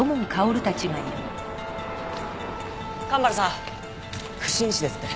蒲原さん不審死ですって？